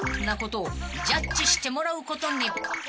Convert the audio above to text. なことをジャッジしてもらうことに］